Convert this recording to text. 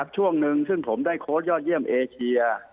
ช่วงหนึ่งซึ่งผมได้โค้ชยอดเยี่ยมเอเชีย